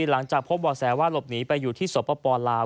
หลังจากพบบ่อแสว่าหลบหนีไปอยู่ที่สปลาว